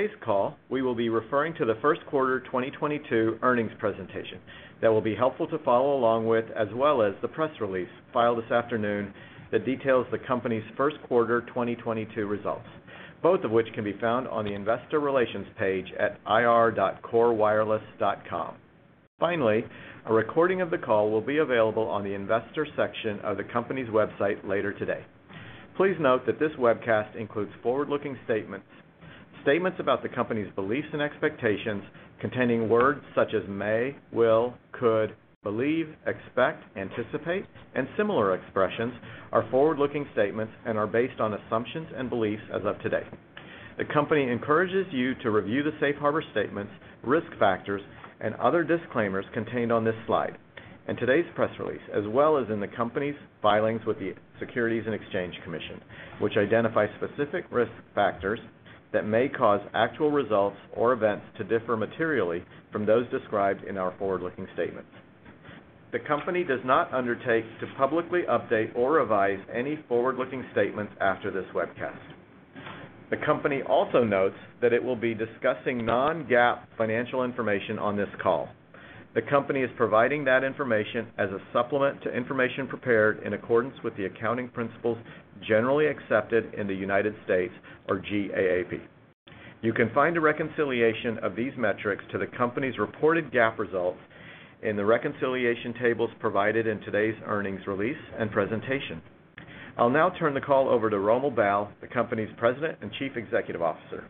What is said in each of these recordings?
Today's call, we will be referring to the first quarter 2022 earnings presentation. That will be helpful to follow along with, as well as the press release filed this afternoon that details the company's first quarter 2022 results, both of which can be found on the investor relations page at ir.korewireless.com. Finally, a recording of the call will be available on the investor section of the company's website later today. Please note that this webcast includes forward-looking statements. Statements about the company's beliefs and expectations containing words such as may, will, could, believe, expect, anticipate, and similar expressions are forward-looking statements and are based on assumptions and beliefs as of today. The company encourages you to review the safe harbor statements, risk factors, and other disclaimers contained on this slide and today's press release, as well as in the company's filings with the Securities and Exchange Commission, which identify specific risk factors that may cause actual results or events to differ materially from those described in our forward-looking statements. The company does not undertake to publicly update or revise any forward-looking statements after this webcast. The company also notes that it will be discussing non-GAAP financial information on this call. The company is providing that information as a supplement to information prepared in accordance with the accounting principles generally accepted in the United States or GAAP. You can find a reconciliation of these metrics to the company's reported GAAP results in the reconciliation tables provided in today's earnings release and presentation. I'll now turn the call over to Romil Bahl, the company's President and Chief Executive Officer.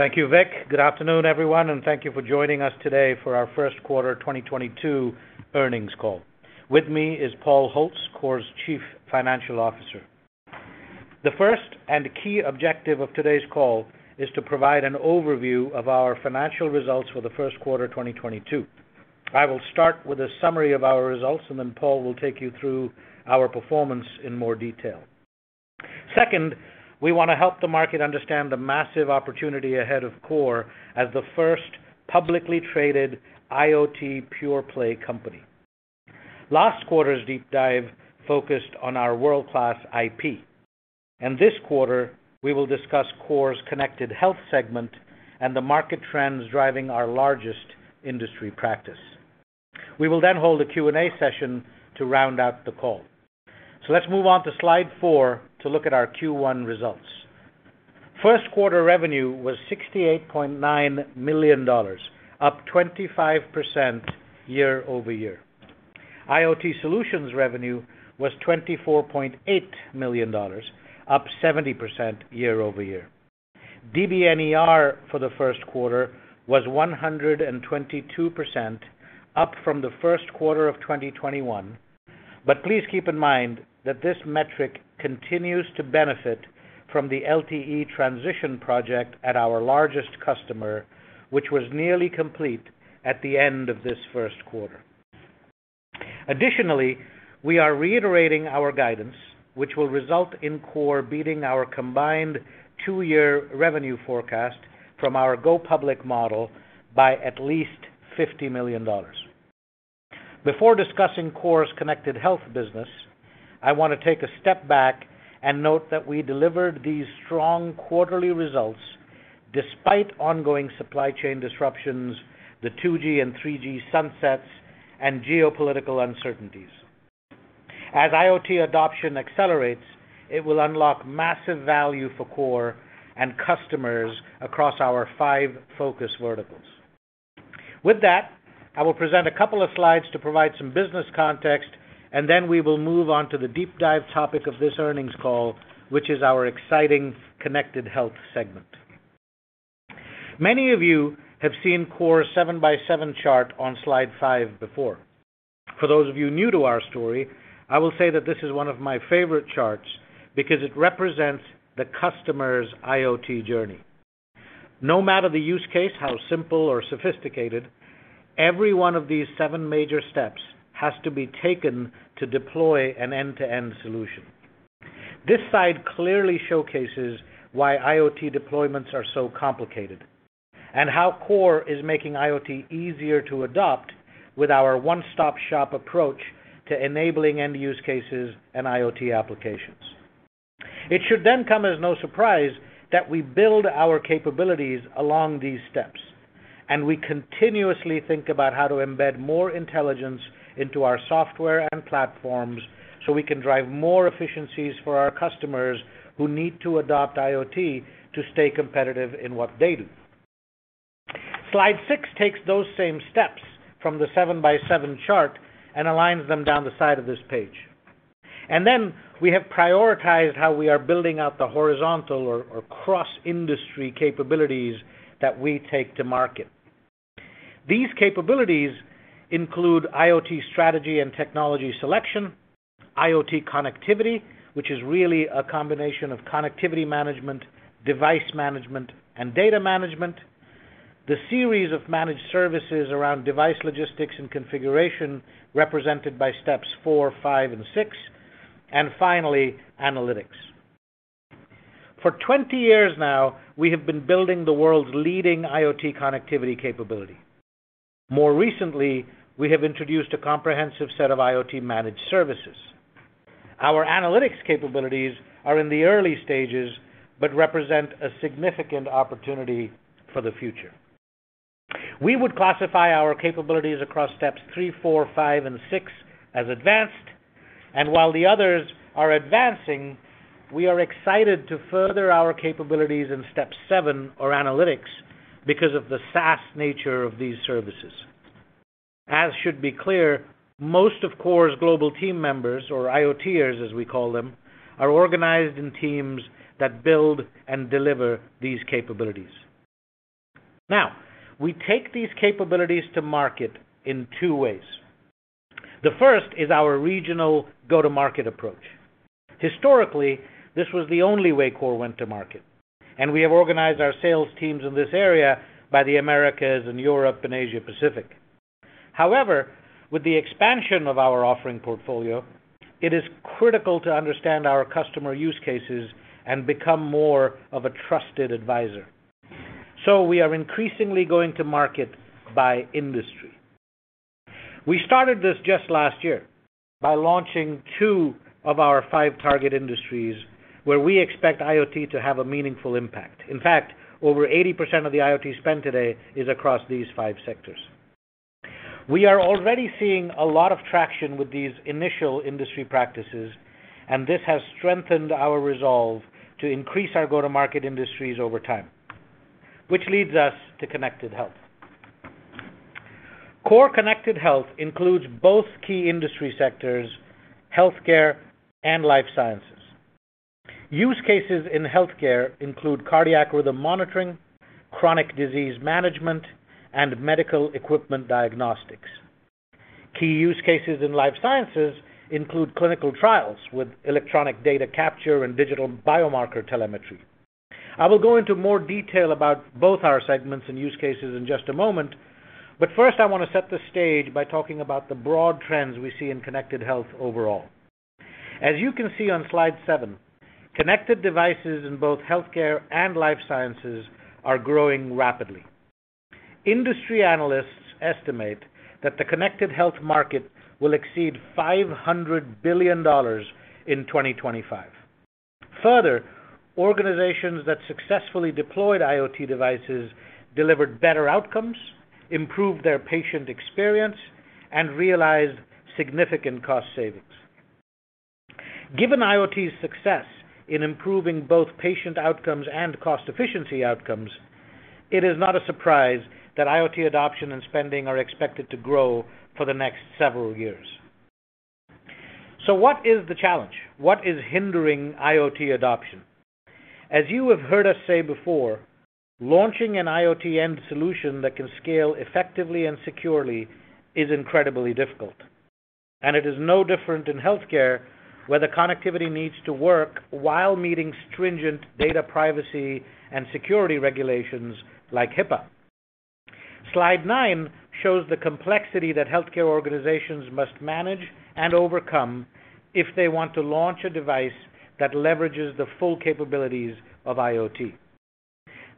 Thank you, Vic. Good afternoon, everyone, and thank you for joining us today for our first quarter 2022 earnings call. With me is Paul Holtz, KORE's Chief Financial Officer. The first and key objective of today's call is to provide an overview of our financial results for the first quarter 2022. I will start with a summary of our results, and then Paul will take you through our performance in more detail. Second, we wanna help the market understand the massive opportunity ahead of KORE as the first publicly traded IoT pure play company. Last quarter's deep dive focused on our world-class IP, and this quarter, we will discuss KORE's connected health segment and the market trends driving our largest industry practice. We will then hold a Q&A session to round out the call. Let's move on to slide four to look at our Q1 results. First quarter revenue was $68.9 million, up 25% year-over-year. IoT solutions revenue was $24.8 million, up 70% year-over-year. DBNER for the first quarter was 122%, up from the first quarter of 2021. Please keep in mind that this metric continues to benefit from the LTE transition project at our largest customer, which was nearly complete at the end of this first quarter. Additionally, we are reiterating our guidance, which will result in KORE beating our combined two-year revenue forecast from our go public model by at least $50 million. Before discussing KORE's connected health business, I wanna take a step back and note that we delivered these strong quarterly results despite ongoing supply chain disruptions, the 2G and 3G sunsets, and geopolitical uncertainties. As IoT adoption accelerates, it will unlock massive value for KORE and customers across our five focus verticals. With that, I will present a couple of slides to provide some business context, and then we will move on to the deep dive topic of this earnings call, which is our exciting connected health segment. Many of you have seen KORE's seven by seven chart on slide five before. For those of you new to our story, I will say that this is one of my favorite charts because it represents the customer's IoT journey. No matter the use case, how simple or sophisticated, every one of these seven major steps has to be taken to deploy an end-to-end solution. This slide clearly showcases why IoT deployments are so complicated, and how KORE is making IoT easier to adopt with our one-stop-shop approach to enabling end use cases and IoT applications. It should then come as no surprise that we build our capabilities along these steps, and we continuously think about how to embed more intelligence into our software and platforms, so we can drive more efficiencies for our customers who need to adopt IoT to stay competitive in what they do. Slide six takes those same steps from the seven by seven chart and aligns them down the side of this page. We have prioritized how we are building out the horizontal or cross-industry capabilities that we take to market. These capabilities include IoT strategy and technology selection, IoT connectivity, which is really a combination of connectivity management, device management, and data management, the series of Managed Services around device logistics and configuration represented by steps four, five, and six, and finally, analytics. For 20 years now, we have been building the world's leading IoT connectivity capability. More recently, we have introduced a comprehensive set of IoT Managed Services. Our analytics capabilities are in the early stages but represent a significant opportunity for the future. We would classify our capabilities across steps three, four, five, and six as advanced. While the others are advancing, we are excited to further our capabilities in step seven or analytics because of the SaaS nature of these services. As should be clear, most of KORE's global team members or IoTers, as we call them, are organized in teams that build and deliver these capabilities. Now, we take these capabilities to market in two ways. The first is our regional go-to-market approach. Historically, this was the only way KORE went to market, and we have organized our sales teams in this area by the Americas and Europe and Asia Pacific. However, with the expansion of our offering portfolio, it is critical to understand our customer use cases and become more of a trusted advisor. We are increasingly going to market by industry. We started this just last year by launching two of our five target industries where we expect IoT to have a meaningful impact. In fact, over 80% of the IoT spend today is across these five sectors. We are already seeing a lot of traction with these initial industry practices, and this has strengthened our resolve to increase our go-to-market industries over time, which leads us to connected health. KORE Connected Health includes both key industry sectors, healthcare and life sciences. Use cases in healthcare include cardiac rhythm monitoring, chronic disease management, and medical equipment diagnostics. Key use cases in life sciences include clinical trials with electronic data capture and digital biomarker telemetry. I will go into more detail about both our segments and use cases in just a moment, but first I want to set the stage by talking about the broad trends we see in connected health overall. As you can see on slide seven, connected devices in both healthcare and life sciences are growing rapidly. Industry analysts estimate that the connected health market will exceed $500 billion in 2025. Further, organizations that successfully deployed IoT devices delivered better outcomes, improved their patient experience, and realized significant cost savings. Given IoT's success in improving both patient outcomes and cost efficiency outcomes, it is not a surprise that IoT adoption and spending are expected to grow for the next several years. What is the challenge? What is hindering IoT adoption? As you have heard us say before, launching an IoT end solution that can scale effectively and securely is incredibly difficult. It is no different in healthcare, where the connectivity needs to work while meeting stringent data privacy and security regulations like HIPAA. Slide nine shows the complexity that healthcare organizations must manage and overcome if they want to launch a device that leverages the full capabilities of IoT.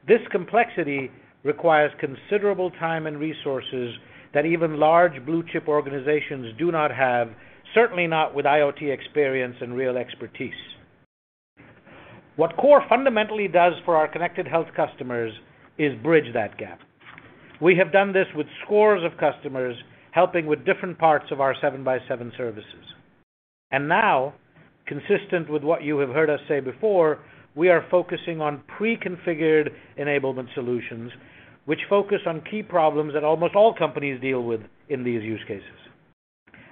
This complexity requires considerable time and resources that even large blue-chip organizations do not have, certainly not with IoT experience and real expertise. What KORE fundamentally does for our connected health customers is bridge that gap. We have done this with scores of customers, helping with different parts of our seven-by-seven services. Now, consistent with what you have heard us say before, we are focusing on preconfigured enablement solutions, which focus on key problems that almost all companies deal with in these use cases.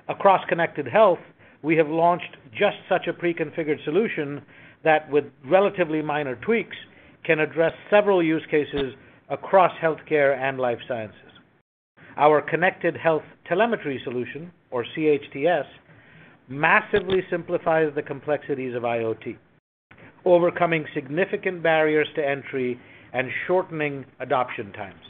Across connected health, we have launched just such a preconfigured solution that, with relatively minor tweaks, can address several use cases across healthcare and life sciences. Our Connected Health Telemetry Solution, or CHTS, massively simplifies the complexities of IoT, overcoming significant barriers to entry and shortening adoption times.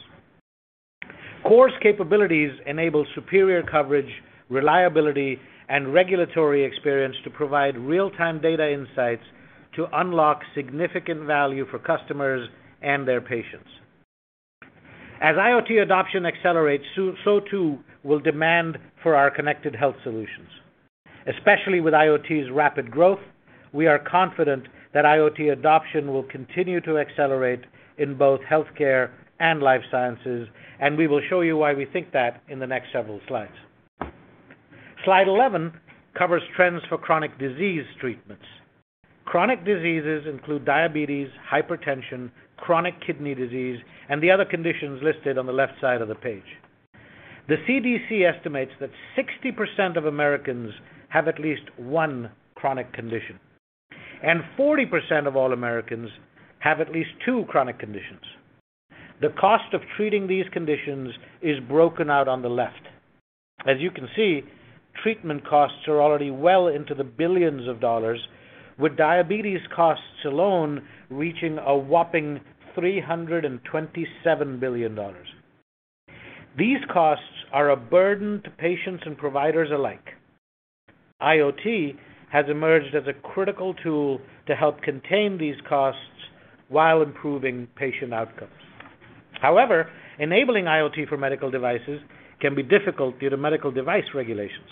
KORE's capabilities enable superior coverage, reliability, and regulatory experience to provide real-time data insights to unlock significant value for customers and their patients. As IoT adoption accelerates, so too will demand for our connected health solutions. Especially with IoT's rapid growth, we are confident that IoT adoption will continue to accelerate in both healthcare and life sciences, and we will show you why we think that in the next several slides. Slide 11 covers trends for chronic disease treatments. Chronic diseases include diabetes, hypertension, chronic kidney disease, and the other conditions listed on the left side of the page. The CDC estimates that 60% of Americans have at least one chronic condition, and 40% of all Americans have at least two chronic conditions. The cost of treating these conditions is broken out on the left. As you can see, treatment costs are already well into the billions of dollars, with diabetes costs alone reaching a whopping $327 billion. These costs are a burden to patients and providers alike. IoT has emerged as a critical tool to help contain these costs while improving patient outcomes. However, enabling IoT for medical devices can be difficult due to medical device regulations.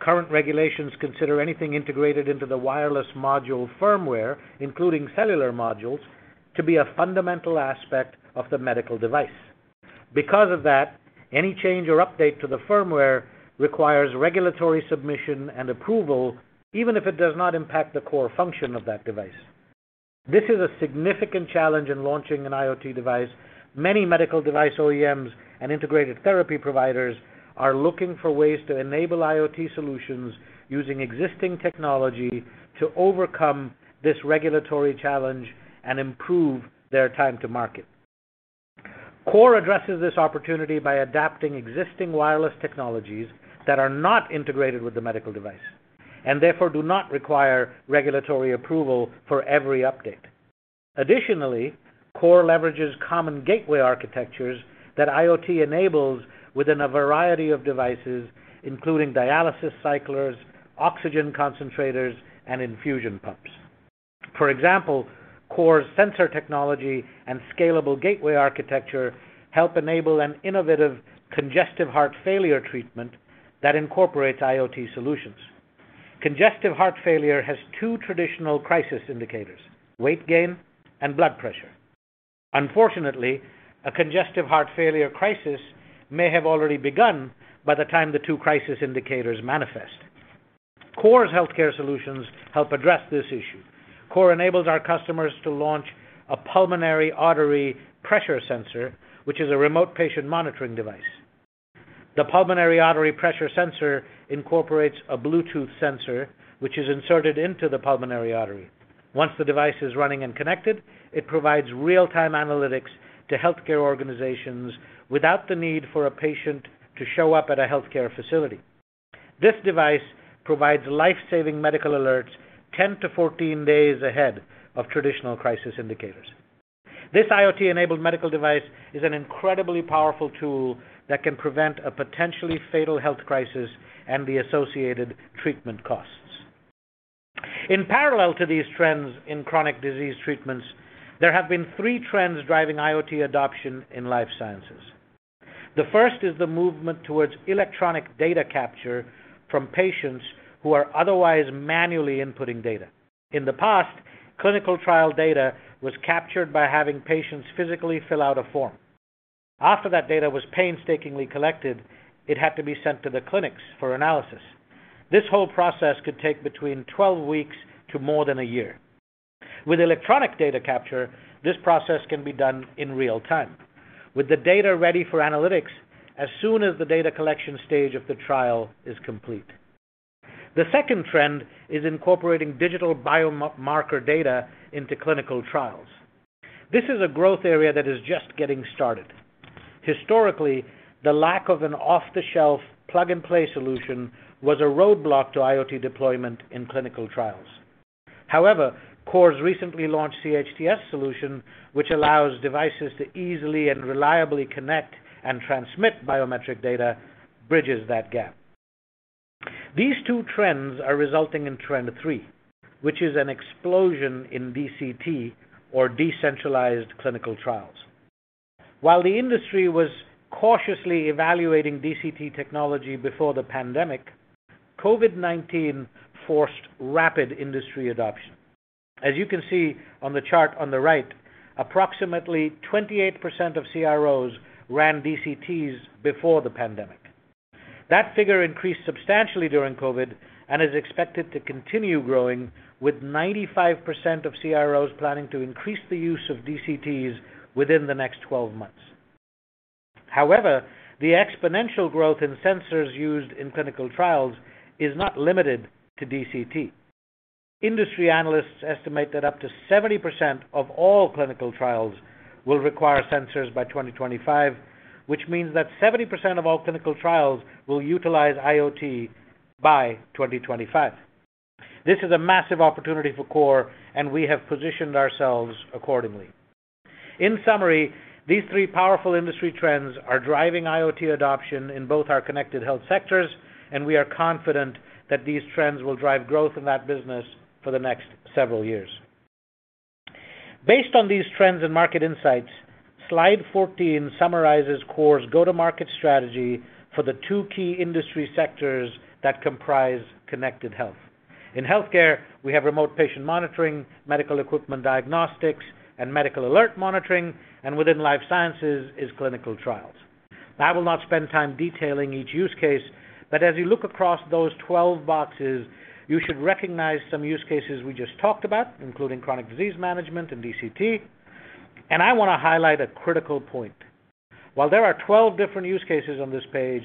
Current regulations consider anything integrated into the wireless module firmware, including cellular modules, to be a fundamental aspect of the medical device. Because of that, any change or update to the firmware requires regulatory submission and approval, even if it does not impact the core function of that device. This is a significant challenge in launching an IoT device. Many medical device OEMs and integrated therapy providers are looking for ways to enable IoT solutions using existing technology to overcome this regulatory challenge and improve their time to market. KORE addresses this opportunity by adapting existing wireless technologies that are not integrated with the medical device, and therefore do not require regulatory approval for every update. Additionally, KORE leverages common gateway architectures that IoT enables within a variety of devices, including dialysis cyclers, oxygen concentrators, and infusion pumps. For example, KORE's sensor technology and scalable gateway architecture help enable an innovative congestive heart failure treatment that incorporates IoT solutions. Congestive heart failure has two traditional crisis indicators, weight gain and blood pressure. Unfortunately, a congestive heart failure crisis may have already begun by the time the two crisis indicators manifest. KORE's healthcare solutions help address this issue. KORE enables our customers to launch a pulmonary artery pressure sensor, which is a remote patient monitoring device. The pulmonary artery pressure sensor incorporates a Bluetooth sensor, which is inserted into the pulmonary artery. Once the device is running and connected, it provides real-time analytics to healthcare organizations without the need for a patient to show up at a healthcare facility. This device provides life-saving medical alerts 10 to 14 days ahead of traditional crisis indicators. This IoT-enabled medical device is an incredibly powerful tool that can prevent a potentially fatal health crisis and the associated treatment costs. In parallel to these trends in chronic disease treatments, there have been three trends driving IoT adoption in life sciences. The first is the movement towards electronic data capture from patients who are otherwise manually inputting data. In the past, clinical trial data was captured by having patients physically fill out a form. After that data was painstakingly collected, it had to be sent to the clinics for analysis. This whole process could take between 12 weeks to more than a year. With electronic data capture, this process can be done in real time, with the data ready for analytics as soon as the data collection stage of the trial is complete. The second trend is incorporating digital biomarker data into clinical trials. This is a growth area that is just getting started. Historically, the lack of an off-the-shelf plug-and-play solution was a roadblock to IoT deployment in clinical trials. However, KORE's recently launched CHTS solution, which allows devices to easily and reliably connect and transmit biometric data, bridges that gap. These two trends are resulting in trend three, which is an explosion in DCT or decentralized clinical trials. While the industry was cautiously evaluating DCT technology before the pandemic, COVID-19 forced rapid industry adoption. As you can see on the chart on the right, approximately 28% of CROs ran DCTs before the pandemic. That figure increased substantially during COVID and is expected to continue growing, with 95% of CROs planning to increase the use of DCTs within the next twelve months. However, the exponential growth in sensors used in clinical trials is not limited to DCT. Industry analysts estimate that up to 70% of all clinical trials will require sensors by 2025, which means that 70% of all clinical trials will utilize IoT by 2025. This is a massive opportunity for KORE, and we have positioned ourselves accordingly. In summary, these three powerful industry trends are driving IoT adoption in both our connected health sectors, and we are confident that these trends will drive growth in that business for the next several years. Based on these trends and market insights, slide 14 summarizes KORE's go-to-market strategy for the two key industry sectors that comprise connected health. In healthcare, we have remote patient monitoring, medical equipment diagnostics, and medical alert monitoring, and within life sciences is clinical trials. I will not spend time detailing each use case, but as you look across those 12 boxes, you should recognize some use cases we just talked about, including chronic disease management and DCT. I wanna highlight a critical point. While there are 12 different use cases on this page,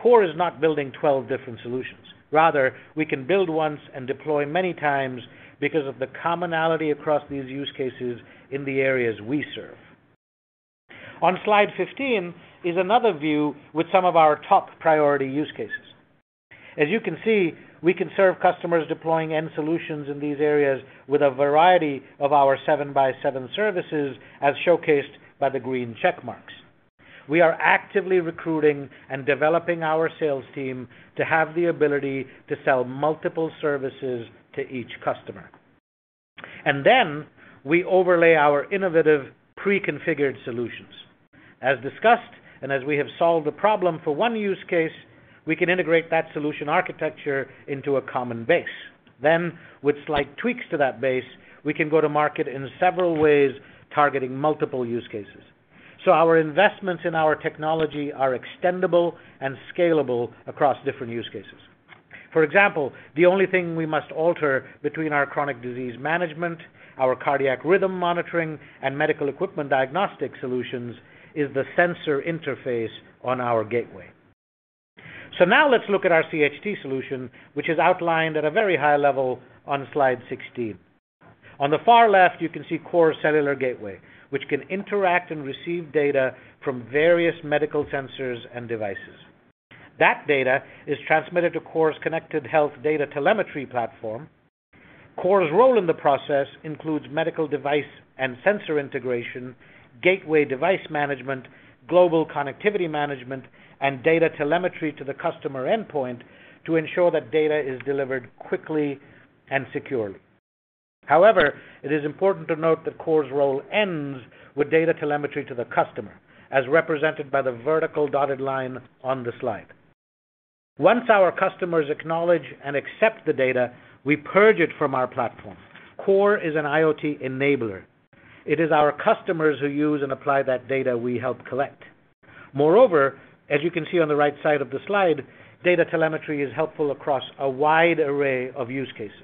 KORE is not building 12 different solutions. Rather, we can build once and deploy many times because of the commonality across these use cases in the areas we serve. On slide 15 is another view with some of our top priority use cases. As you can see, we can serve customers deploying end solutions in these areas with a variety of our seven-by-seven services as showcased by the green check marks. We are actively recruiting and developing our sales team to have the ability to sell multiple services to each customer. Then we overlay our innovative pre-configured solutions. As discussed, as we have solved the problem for one use case, we can integrate that solution architecture into a common base. With slight tweaks to that base, we can go to market in several ways, targeting multiple use cases. Our investments in our technology are extendable and scalable across different use cases. For example, the only thing we must alter between our chronic disease management, our cardiac rhythm monitoring, and medical equipment diagnostic solutions is the sensor interface on our gateway. Now let's look at our CHT solution, which is outlined at a very high level on slide 16. On the far left, you can see KORE's cellular gateway, which can interact and receive data from various medical sensors and devices. That data is transmitted to KORE's Connected Health Telemetry platform. KORE's role in the process includes medical device and sensor integration, gateway device management, global connectivity management, and data telemetry to the customer endpoint to ensure that data is delivered quickly and securely. However, it is important to note that KORE's role ends with data telemetry to the customer, as represented by the vertical dotted line on the slide. Once our customers acknowledge and accept the data, we purge it from our platform. KORE is an IoT enabler. It is our customers who use and apply that data we help collect. Moreover, as you can see on the right side of the slide, data telemetry is helpful across a wide array of use cases.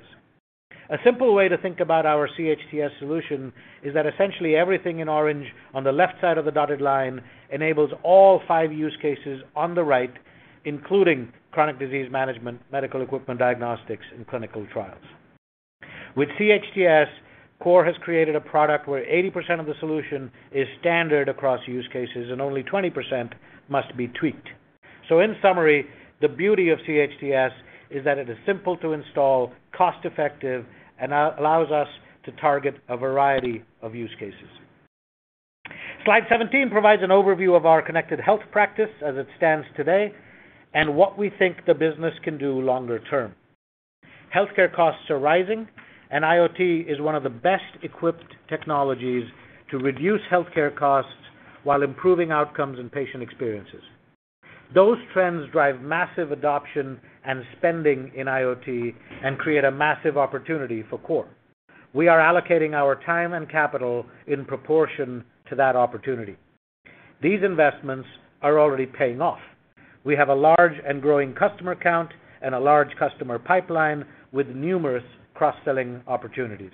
A simple way to think about our CHTS solution is that essentially everything in orange on the left side of the dotted line enables all five use cases on the right, including chronic disease management, medical equipment diagnostics, and clinical trials. With CHTS, KORE has created a product where 80% of the solution is standard across use cases and only 20% must be tweaked. In summary, the beauty of CHTS is that it is simple to install, cost-effective, and allows us to target a variety of use cases. Slide 17 provides an overview of our connected health practice as it stands today and what we think the business can do longer term. Healthcare costs are rising, and IoT is one of the best-equipped technologies to reduce healthcare costs while improving outcomes and patient experiences. Those trends drive massive adoption and spending in IoT and create a massive opportunity for KORE. We are allocating our time and capital in proportion to that opportunity. These investments are already paying off. We have a large and growing customer count and a large customer pipeline with numerous cross-selling opportunities.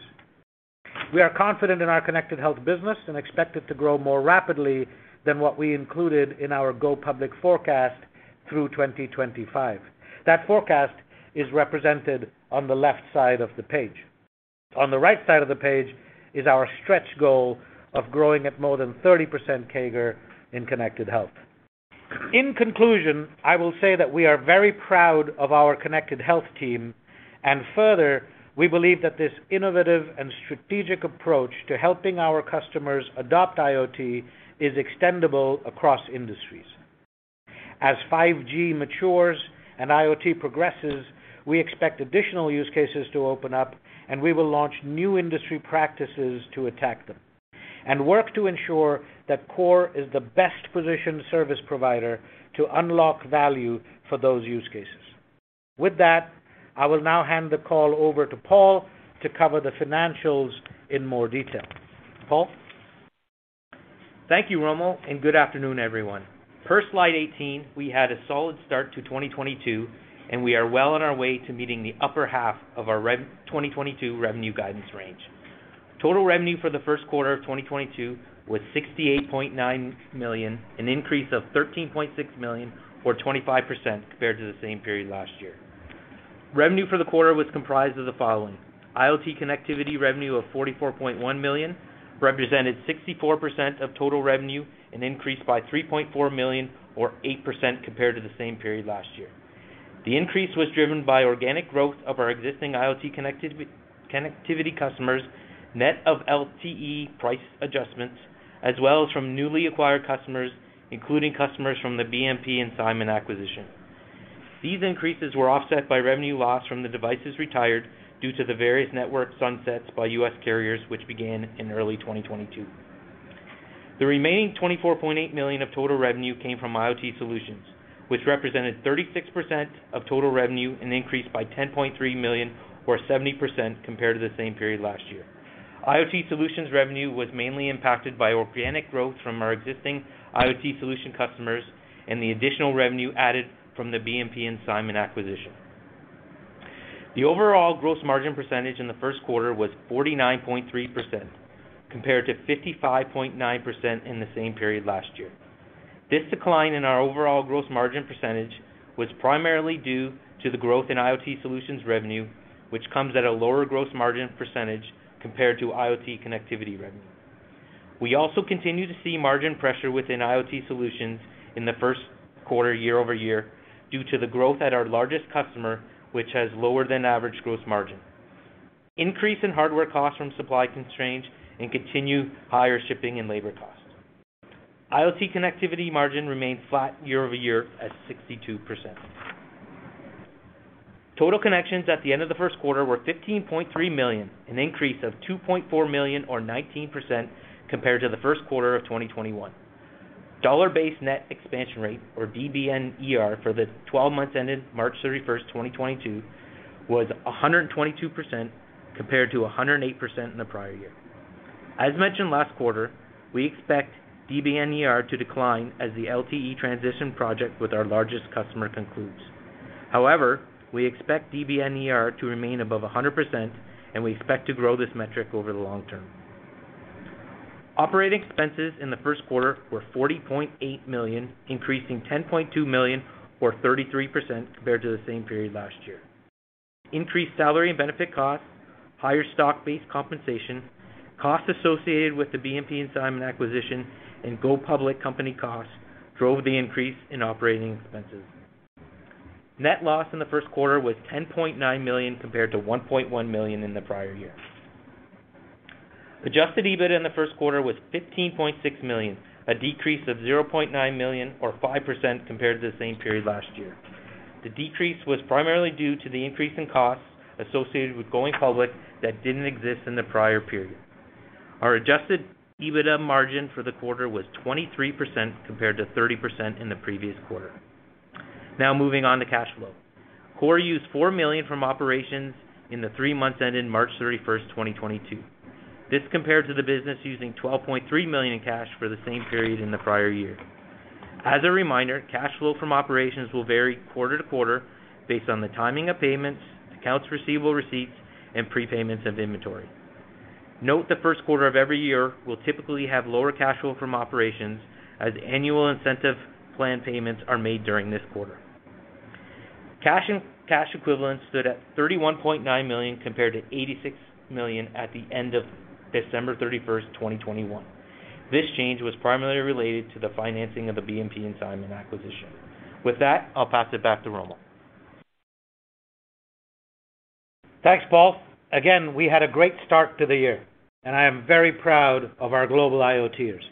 We are confident in our connected health business and expect it to grow more rapidly than what we included in our go public forecast through 2025. That forecast is represented on the left side of the page. On the right side of the page is our stretch goal of growing at more than 30% CAGR in connected health. In conclusion, I will say that we are very proud of our connected health team. Further, we believe that this innovative and strategic approach to helping our customers adopt IoT is extendable across industries. As 5G matures and IoT progresses, we expect additional use cases to open up, and we will launch new industry practices to attack them, and work to ensure that KORE is the best-positioned service provider to unlock value for those use cases. With that, I will now hand the call over to Paul to cover the financials in more detail. Paul? Thank you, Romil, and good afternoon, everyone. Per slide 18, we had a solid start to 2022, and we are well on our way to meeting the upper half of our 2022 revenue guidance range. Total revenue for the first quarter of 2022 was $68.9 million, an increase of $13.6 million or 25% compared to the same period last year. Revenue for the quarter was comprised of the following. IoT connectivity revenue of $44.1 million represented 64% of total revenue, an increase of $3.4 million or 8% compared to the same period last year. The increase was driven by organic growth of our existing IoT connectivity customers, net of LTE price adjustments, as well as from newly acquired customers, including customers from the BMP and Simon acquisition. These increases were offset by revenue loss from the devices retired due to the various network sunsets by U.S. carriers, which began in early 2022. The remaining $24.8 million of total revenue came from IoT solutions, which represented 36% of total revenue and increased by $10.3 million or 70% compared to the same period last year. IoT solutions revenue was mainly impacted by organic growth from our existing IoT solution customers and the additional revenue added from the BMP and SIMON acquisition. The overall gross margin percentage in the first quarter was 49.3%, compared to 55.9% in the same period last year. This decline in our overall gross margin percentage was primarily due to the growth in IoT solutions revenue, which comes at a lower gross margin percentage compared to IoT connectivity revenue. We also continue to see margin pressure within IoT solutions in the first quarter year-over-year due to the growth at our largest customer, which has lower than average gross margin, increase in hardware costs from supply constraints, and continued higher shipping and labor costs. IoT connectivity margin remained flat year-over-year at 62%. Total connections at the end of the first quarter were 15.3 million, an increase of 2.4 million or 19% compared to the first quarter of 2021. Dollar-based net expansion rate or DBNER for the twelve months ended March 31, 2022 was 122% compared to 108% in the prior year. As mentioned last quarter, we expect DBNER to decline as the LTE transition project with our largest customer concludes. However, we expect DBNER to remain above 100%, and we expect to grow this metric over the long term. Operating expenses in the first quarter were $40.8 million, increasing $10.2 million or 33% compared to the same period last year. Increased salary and benefit costs, higher stock-based compensation, costs associated with the BMP and SIMON acquisition, and go public company costs drove the increase in operating expenses. Net loss in the first quarter was $10.9 million compared to $1.1 million in the prior year. Adjusted EBITDA in the first quarter was $15.6 million, a decrease of $0.9 million or 5% compared to the same period last year. The decrease was primarily due to the increase in costs associated with going public that didn't exist in the prior period. Our Adjusted EBITDA margin for the quarter was 23% compared to 30% in the previous quarter. Now moving on to cash flow. KORE used $4 million from operations in the three months ending March 31, 2022. This compared to the business using $12.3 million in cash for the same period in the prior year. As a reminder, cash flow from operations will vary quarter to quarter based on the timing of payments, accounts receivable receipts, and prepayments of inventory. Note the first quarter of every year will typically have lower cash flow from operations as annual incentive plan payments are made during this quarter. Cash and cash equivalents stood at $31.9 million compared to $86 million at the end of December 31, 2021. This change was primarily related to the financing of the BMP and SIMON acquisition. With that, I'll pass it back to Romil. Thanks, Paul. Again, we had a great start to the year, and I am very proud of our global IoTers.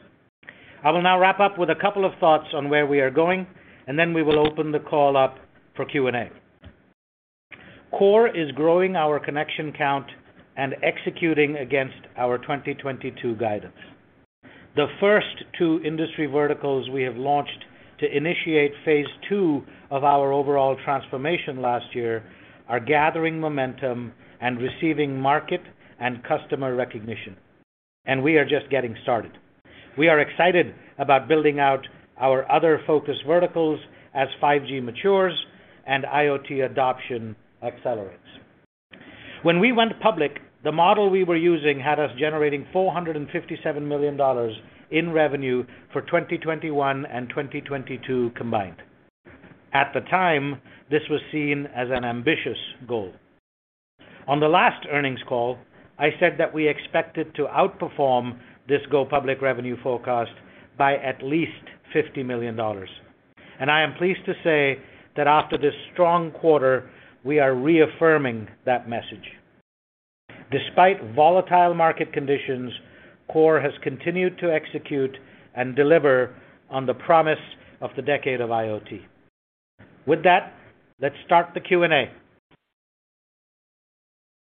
I will now wrap up with a couple of thoughts on where we are going, and then we will open the call up for Q&A. KORE is growing our connection count and executing against our 2022 guidance. The first two industry verticals we have launched to initiate phase two of our overall transformation last year are gathering momentum and receiving market and customer recognition, and we are just getting started. We are excited about building out our other focus verticals as 5G matures and IoT adoption accelerates. When we went public, the model we were using had us generating $457 million in revenue for 2021 and 2022 combined. At the time, this was seen as an ambitious goal. On the last earnings call, I said that we expected to outperform this go public revenue forecast by at least $50 million. I am pleased to say that after this strong quarter, we are reaffirming that message. Despite volatile market conditions, KORE has continued to execute and deliver on the promise of the decade of IoT. With that, let's start the Q&A.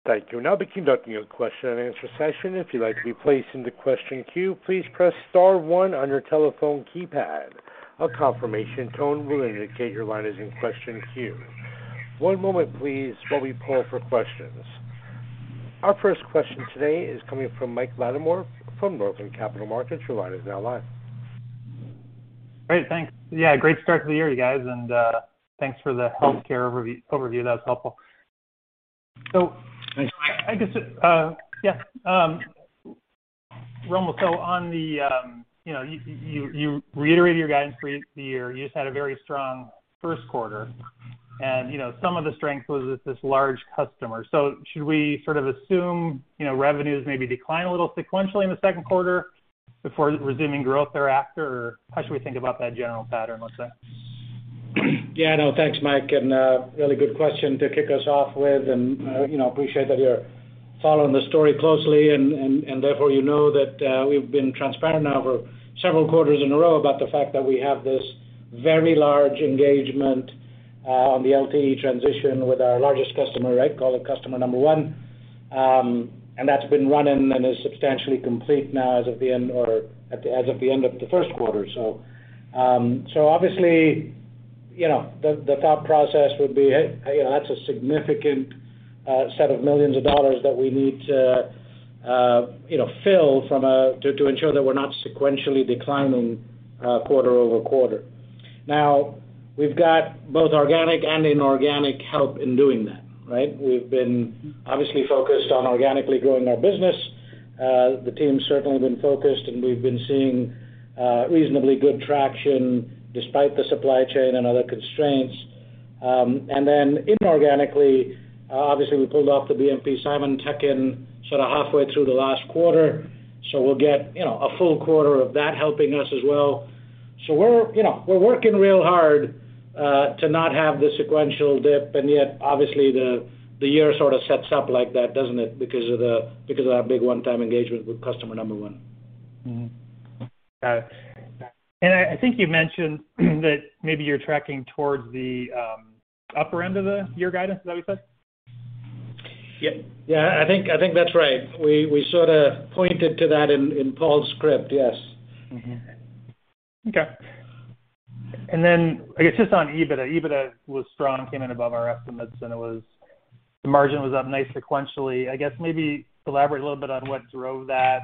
Thank you. We'll now be conducting a question and answer session. If you'd like to be placed into question queue, please press star one on your telephone keypad. A confirmation tone will indicate your line is in question queue. One moment please, while we poll for questions. Our first question today is coming from Mike Latimore from Northland Capital Markets. Your line is now live. Great. Thanks. Yeah, great start to the year, you guys. Thanks for the healthcare overview. That's helpful. Thanks, Mike. I guess, Romil, so on the, you know, you reiterated your guidance for the year. You just had a very strong first quarter. You know, some of the strength was with this large customer. Should we sort of assume, you know, revenues maybe decline a little sequentially in the second quarter before resuming growth thereafter? Or how should we think about that general pattern, let's say? Yeah, no. Thanks, Mike, and really good question to kick us off with. You know, appreciate that you're following the story closely and therefore, you know that we've been transparent now for several quarters in a row about the fact that we have this very large engagement on the LTE transition with our largest customer, right? Call it customer number one. That's been running and is substantially complete now as of the end of the first quarter. Obviously, you know, the thought process would be, hey, you know, that's a significant set of millions of dollars that we need to you know, fill to ensure that we're not sequentially declining quarter-over-quarter. Now, we've got both organic and inorganic help in doing that, right? We've been obviously focused on organically growing our business. The team's certainly been focused, and we've been seeing reasonably good traction despite the supply chain and other constraints. Inorganically, obviously we pulled off the BMP-Simon tuck-in sort of halfway through the last quarter, so we'll get, you know, a full quarter of that helping us as well. We're, you know, we're working real hard to not have the sequential dip, and yet obviously the year sort of sets up like that, doesn't it? Because of that big one-time engagement with customer number one. Got it. I think you mentioned that maybe you're tracking towards the upper end of the year guidance. Is that what you said? Yeah, I think that's right. We sort of pointed to that in Paul's script, yes. I guess, just on EBITDA. EBITDA was strong, came in above our estimates, and the margin was up nicely sequentially. I guess maybe elaborate a little bit on what drove that,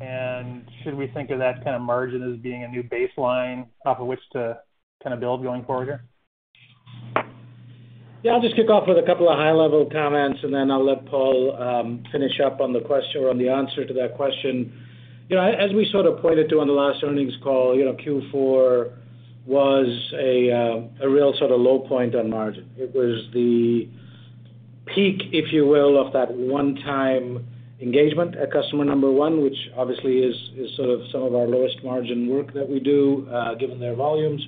and should we think of that kind of margin as being a new baseline off of which to kinda build going forward here? Yeah, I'll just kick off with a couple of high-level comments, and then I'll let Paul finish up on the question or on the answer to that question. You know, as we sort of pointed to on the last earnings call, you know, Q4 was a real sort of low point on margin. It was the peak, if you will, of that one-time engagement at customer number one, which obviously is sort of some of our lowest margin work that we do, given their volumes.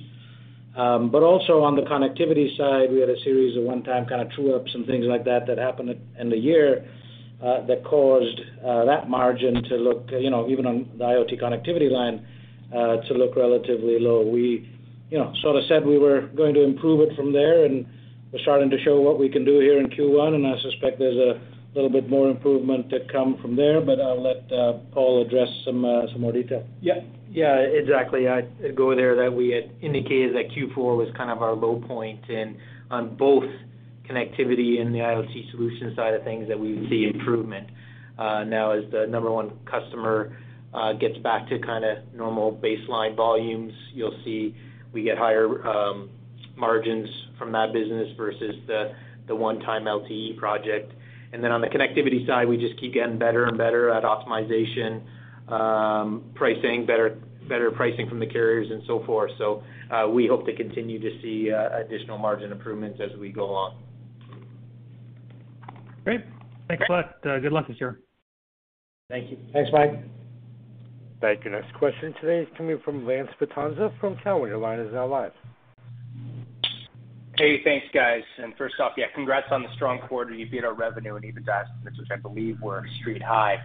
But also on the connectivity side, we had a series of one-time kinda true-ups and things like that that happened at the end of the year, that caused that margin to look, you know, even on the IoT connectivity line, to look relatively low. We, you know, sorta said we were going to improve it from there, and we're starting to show what we can do here in Q1, and I suspect there's a little bit more improvement to come from there, but I'll let Paul address some more detail. Yeah. Yeah, exactly. I'd go with that we had indicated that Q4 was kind of our low point, and on both connectivity and the IoT solution side of things that we would see improvement. Now as the number one customer gets back to kinda normal baseline volumes, you'll see we get higher margins from that business versus the one-time LTE project. Then on the connectivity side, we just keep getting better and better at optimization, pricing, better pricing from the carriers and so forth. We hope to continue to see additional margin improvements as we go along. Great. Thanks a lot. Good luck this year. Thank you. Thanks, Mike. Thank you. Next question today is coming from Lance Vitanza from Cowen. Your line is now live. Hey, thanks, guys. First off, yeah, congrats on the strong quarter. You beat our revenue and EBITDA estimates, which I believe were street high.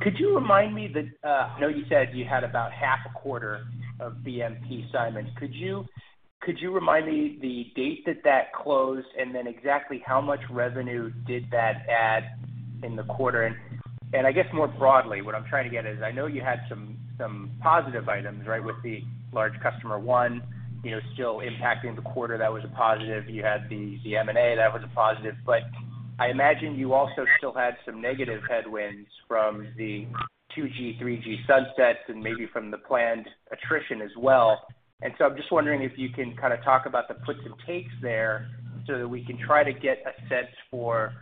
Could you remind me, I know you said you had about half a quarter of BMP-Simon. Could you remind me the date that that closed, and then exactly how much revenue did that add in the quarter? I guess more broadly, what I'm trying to get is, I know you had some positive items, right, with the large customer one, you know, still impacting the quarter. That was a positive. You had the M&A, that was a positive. I imagine you also still had some negative headwinds from the 2G, 3G sunsets and maybe from the planned attrition as well. I'm just wondering if you can kinda talk about the puts and takes there so that we can try to get a sense for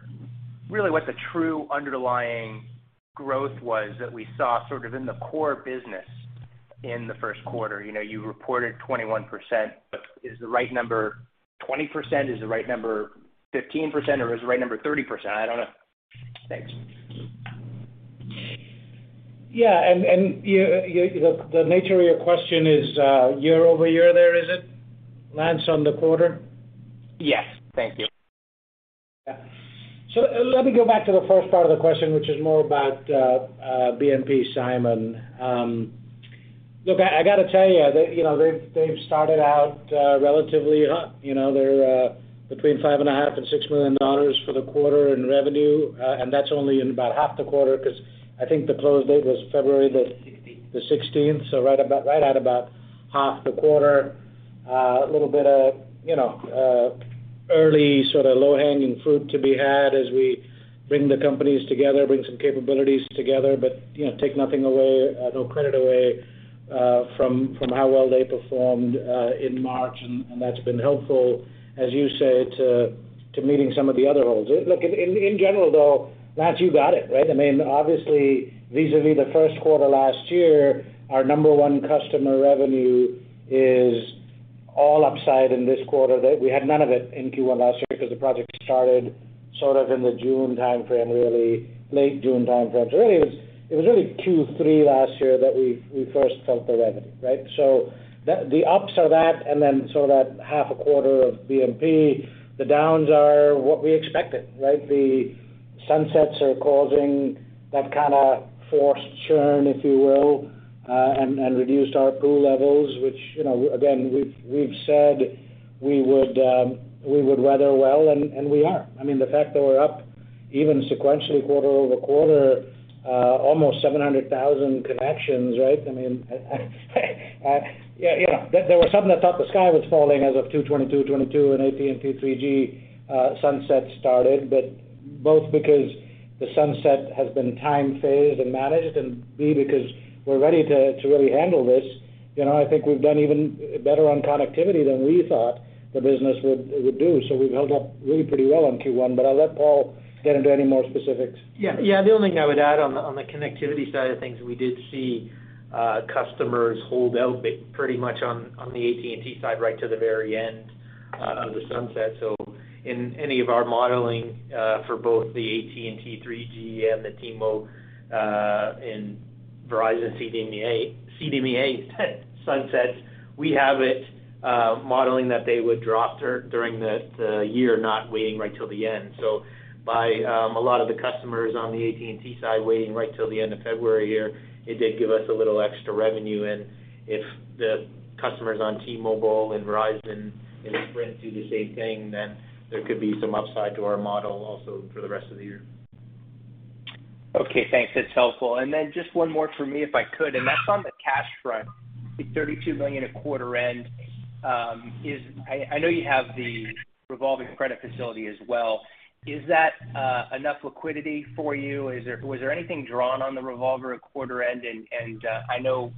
really what the true underlying growth was that we saw sort of in the core business in the first quarter. You know, you reported 21%, but is the right number 20%? Is the right number 15%, or is the right number 30%? I don't know. Thanks. Yeah. The nature of your question is year-over-year there, is it, Lance, on the quarter? Yes. Thank you. Yeah. Let me go back to the first part of the question, which is more about BMP-Simon. Look, I gotta tell you, they, you know, they've started out relatively hot. You know, they're between $5.5 million and $6 million for the quarter in revenue, and that's only in about half the quarter 'cause I think the close date was February the- Sixteenth. The sixteenth, so right about, right at about half the quarter. A little bit of, you know, early sorta low-hanging fruit to be had as we bring the companies together, bring some capabilities together, but, you know, take nothing away, no credit away, from how well they performed in March. That's been helpful, as you say, to meeting some of the other holes. Look, in general though, Lance, you got it, right? I mean, obviously, vis-à-vis the first quarter last year, our number one customer revenue is all upside in this quarter. That we had none of it in Q1 last year because the project started sort of in the June timeframe really, late June timeframe. Really it was Q3 last year that we first felt the revenue, right? The ups are that and then sort of that half a quarter of BMP. The downs are what we expected, right? The sunsets are causing that kinda forced churn, if you will, and reduced our pool levels, which, you know, again, we've said we would weather well, and we are. I mean, the fact that we're up even sequentially quarter-over-quarter, almost 700,000 connections, right? I mean, yeah, you know, there were some that thought the sky was falling as of 2/22/2022 and AT&T 3G sunset started. But both because the sunset has been time-phased and managed, and B, because we're ready to really handle this, you know, I think we've done even better on connectivity than we thought the business would do. We've held up really pretty well on Q1. I'll let Paul get into any more specifics. Yeah. The only thing I would add on the connectivity side of things, we did see customers hold out pretty much on the AT&T side right to the very end of the sunset. In any of our modeling for both the AT&T 3G and the T-Mobile and Verizon CDMA sunset, we have it modeling that they would drop during the year, not waiting right till the end. By a lot of the customers on the AT&T side waiting right till the end of February here, it did give us a little extra revenue. If the customers on T-Mobile and Verizon and Sprint do the same thing, then there could be some upside to our model also for the rest of the year. Okay, thanks. That's helpful. Just one more for me, if I could, and that's on the cash front. The $32 million at quarter end is, I know you have the revolving credit facility as well. Is that enough liquidity for you? Was there anything drawn on the revolver at quarter end? I know,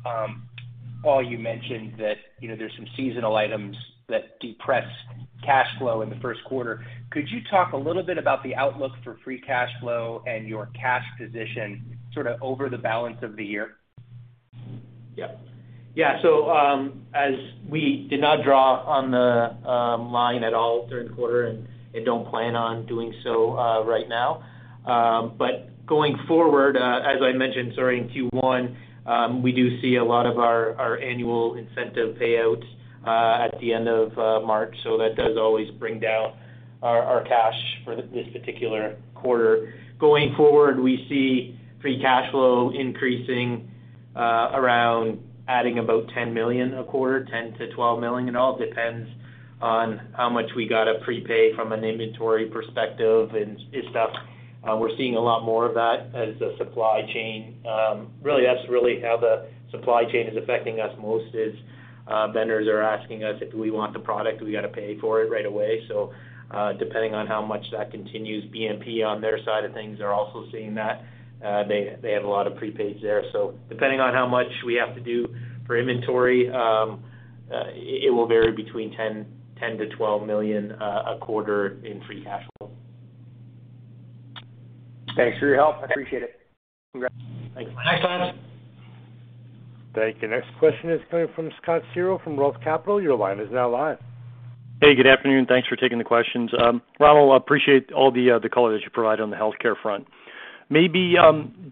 Paul, you mentioned that, you know, there's some seasonal items that depress cash flow in the first quarter. Could you talk a little bit about the outlook for free cash flow and your cash position, sort of over the balance of the year? Yeah. Yeah. As we did not draw on the line at all third quarter and don't plan on doing so right now. Going forward, as I mentioned, sorry, in Q1, we do see a lot of our annual incentive payouts at the end of March. That does always bring down our cash for this particular quarter. Going forward, we see free cash flow increasing around adding about $10 million a quarter, $10million-$12 million. It all depends on how much we gotta prepay from an inventory perspective and stuff. We're seeing a lot more of that as the supply chain. Really, that's how the supply chain is affecting us most is vendors are asking us if we want the product, we gotta pay for it right away. Depending on how much that continues, BMP on their side of things are also seeing that they have a lot of prepaids there. Depending on how much we have to do for inventory, it will vary between $10 million-$12 million a quarter in free cash flow. Thanks for your help. I appreciate it. Congrats. Thanks. Next question. Thank you. Next question is coming from Scott Searle from Roth Capital Partners. Your line is now live. Hey, good afternoon. Thanks for taking the questions. Romil, I appreciate all the color that you provide on the healthcare front. Maybe,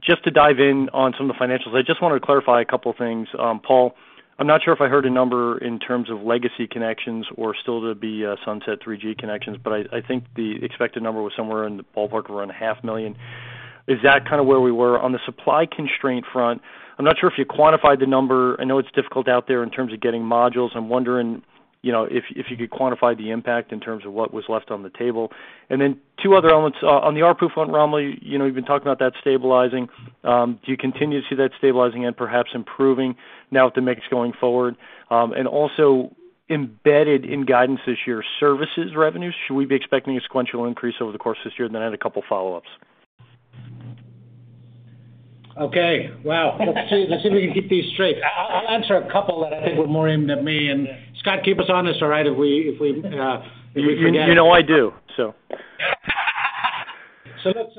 just to dive in on some of the financials, I just wanna clarify a couple of things. Paul, I'm not sure if I heard a number in terms of legacy connections or still to be sunset 3G connections, but I think the expected number was somewhere in the ballpark around half million. Is that kinda where we were? On the supply constraint front, I'm not sure if you quantified the number. I know it's difficult out there in terms of getting modules. I'm wondering, you know, if you could quantify the impact in terms of what was left on the table. Two other elements. On the ARPU front, Romil, you know, you've been talking about that stabilizing. Do you continue to see that stabilizing and perhaps improving now with the mix going forward? Also embedded in guidance this year, services revenues, should we be expecting a sequential increase over the course of this year? Then I had a couple follow-ups. Okay. Wow. Let's see if we can keep these straight. I'll answer a couple that I think were more aimed at me. Scott, keep us honest, all right, if we forget. You know I do. So. Look,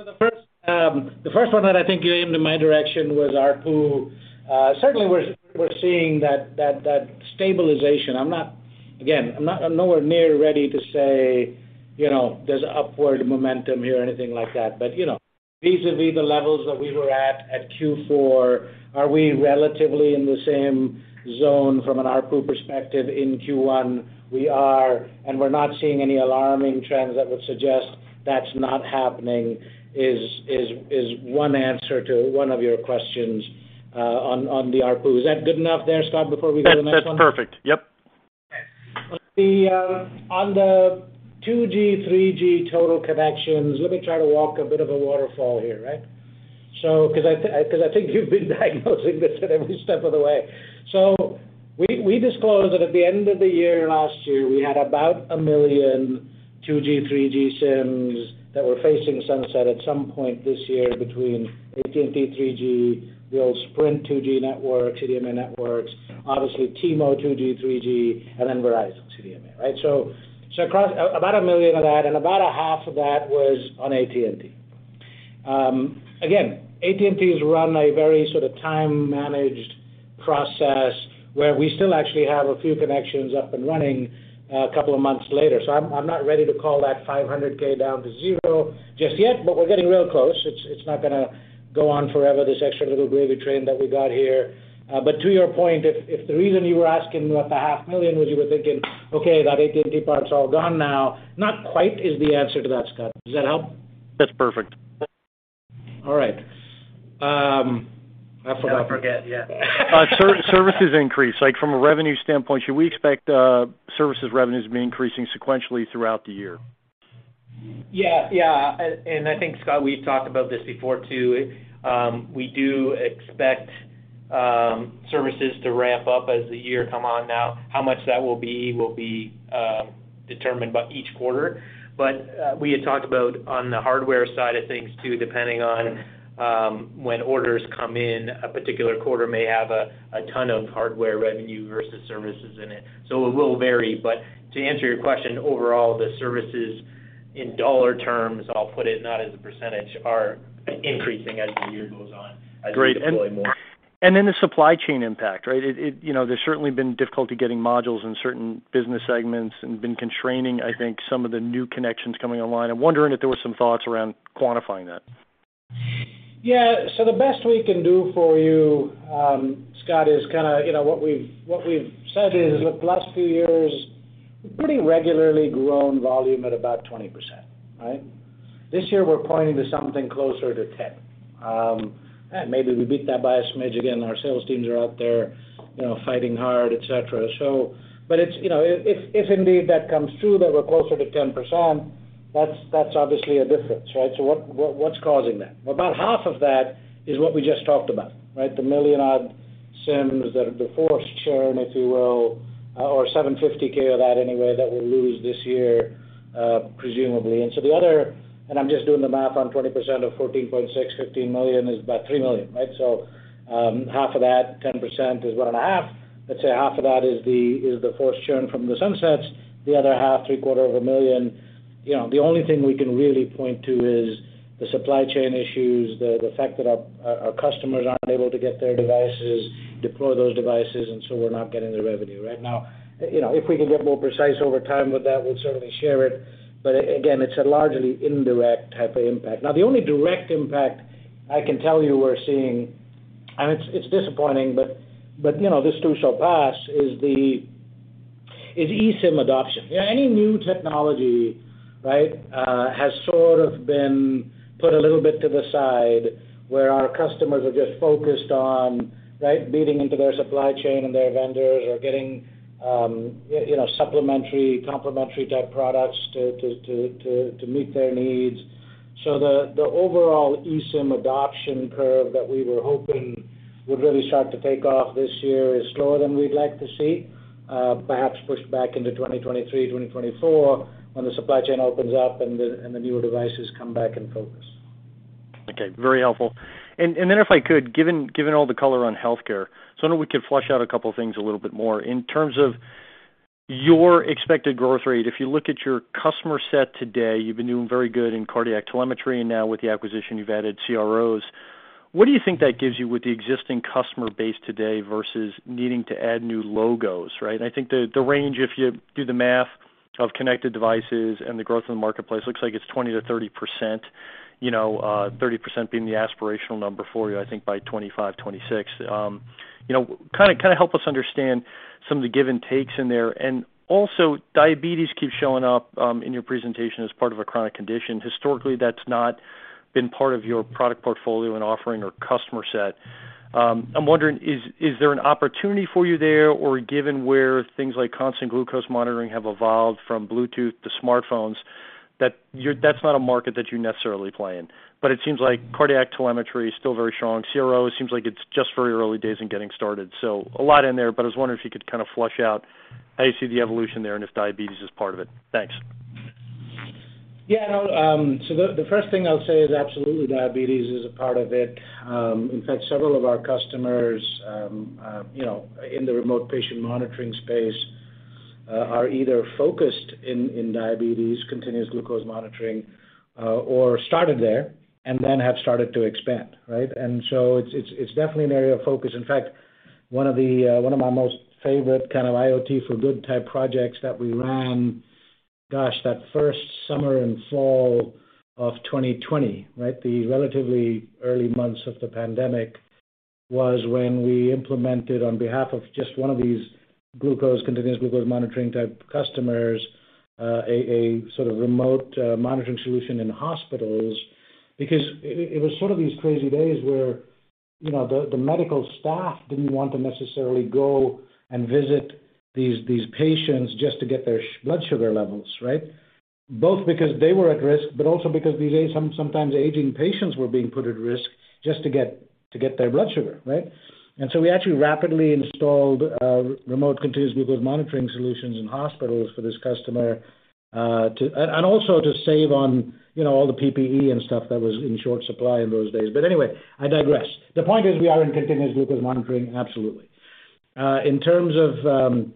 the first one that I think you aimed in my direction was ARPU. Certainly, we're seeing that stabilization. I'm nowhere near ready to say, you know, there's upward momentum here or anything like that. You know, vis-à-vis the levels that we were at Q4, are we relatively in the same zone from an ARPU perspective in Q1? We are, and we're not seeing any alarming trends that would suggest that's not happening is one answer to one of your questions on the ARPU. Is that good enough there, Scott, before we go to the next one? That's perfect. Yep. Okay. Let's see, on the 2G, 3G total connections, let me try to walk a bit of a waterfall here, right? Because I think you've been diagnosing this at every step of the way. We disclosed that at the end of the year last year, we had about a million 2G, 3G SIMs that were facing sunset at some point this year between AT&T 3G, the old Sprint 2G network, CDMA networks, obviously T-Mobile 2G, 3G, and then Verizon CDMA, right? So across about a million of that, and about half of that was on AT&T. Again, AT&T has run a very sort of time managed process where we still actually have a few connections up and running, a couple of months later. I'm not ready to call that $500K down to zero just yet, but we're getting real close. It's not gonna go on forever, this extra little gravy train that we got here. To your point, if the reason you were asking about the $ half million was you were thinking, okay, that AT&T part's all gone now, not quite is the answer to that, Scott. Does that help? That's perfect. All right. I forgot. Never forget, yeah. Services increase, like from a revenue standpoint, should we expect services revenues to be increasing sequentially throughout the year? Yeah. Yeah. I think, Scott, we've talked about this before, too. We do expect services to ramp up as the year come on now. How much that will be will be determined by each quarter. We had talked about on the hardware side of things, too, depending on when orders come in, a particular quarter may have a ton of hardware revenue versus services in it, so it will vary. To answer your question, overall, the services in dollar terms, I'll put it, not as a percentage, are increasing as the year goes on, as we deploy more. Great. The supply chain impact, right? It, you know, there's certainly been difficulty getting modules in certain business segments and it's been constraining, I think, some of the new connections coming online. I'm wondering if there were some thoughts around quantifying that. Yeah. The best we can do for you, Scott, is kinda, you know, what we've said is, look, the last few years we've pretty regularly grown volume at about 20%, right? This year we're pointing to something closer to 10%. Maybe we beat that by a smidge again. Our sales teams are out there, you know, fighting hard, et cetera. It's, you know, if indeed that comes through that we're closer to 10%, that's obviously a difference, right? What's causing that? Well, about half of that is what we just talked about, right? The million-odd SIMs that are the forced churn, if you will, or$750K of that anyway that we'll lose this year, presumably. The other... I'm just doing the math on 20% of $14.6 million-$15 million is about $3 million, right? Half of that, 10% is $1.5 million. Let's say half of that is the forced churn from the sunsets, the other half, three-quarters of a million. You know, the only thing we can really point to is the supply chain issues, the fact that our customers aren't able to get their devices, deploy those devices, and so we're not getting the revenue, right? You know, if we can get more precise over time with that, we'll certainly share it. But again, it's a largely indirect type of impact. The only direct impact I can tell you we're seeing, and it's disappointing, but you know, this too shall pass, is eSIM adoption. You know, any new technology, right, has sort of been put a little bit to the side where our customers are just focused on, right, leaning into their supply chain and their vendors or getting, you know, supplementary, complementary type products to meet their needs. The overall eSIM adoption curve that we were hoping would really start to take off this year is slower than we'd like to see, perhaps pushed back into 2023, 2024 when the supply chain opens up and the newer devices come back in focus. Okay, very helpful. If I could, given all the color on healthcare, just wonder if we could flesh out a couple of things a little bit more. In terms of your expected growth rate, if you look at your customer set today, you've been doing very good in cardiac telemetry, and now with the acquisition you've added CROs. What do you think that gives you with the existing customer base today versus needing to add new logos, right? I think the range, if you do the math of connected devices and the growth in the marketplace, looks like it's 20% to 30%, you know, 30% being the aspirational number for you, I think by 2025, 2026. You know, kinda help us understand some of the give and takes in there. Diabetes keeps showing up in your presentation as part of a chronic condition. Historically, that's not been part of your product portfolio and offering or customer set. I'm wondering, is there an opportunity for you there? Or given where things like continuous glucose monitoring have evolved from Bluetooth to smartphones, that's not a market that you necessarily play in. It seems like cardiac telemetry is still very strong. CRO seems like it's just very early days and getting started. A lot in there, but I was wondering if you could kind of flesh out how you see the evolution there and if diabetes is part of it. Thanks. Yeah. No, the first thing I'll say is absolutely diabetes is a part of it. In fact, several of our customers, you know, in the remote patient monitoring space, are either focused in diabetes, continuous glucose monitoring, or started there and then have started to expand, right? It's definitely an area of focus. In fact, one of my most favorite kind of IoT for good type projects that we ran, gosh, that first summer and fall of 2020, right? The relatively early months of the pandemic was when we implemented on behalf of just one of these glucose, continuous glucose monitoring type customers, a sort of remote monitoring solution in hospitals. Because it was sort of these crazy days where, you know, the medical staff didn't want to necessarily go and visit these patients just to get their blood sugar levels, right? Both because they were at risk, but also because these sometimes aging patients were being put at risk just to get their blood sugar, right? We actually rapidly installed remote continuous glucose monitoring solutions in hospitals for this customer and also to save on, you know, all the PPE and stuff that was in short supply in those days. Anyway, I digress. The point is we are in continuous glucose monitoring, absolutely. In terms of,